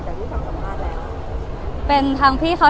ได้ยังไงคะพี่หนึ่งในใจ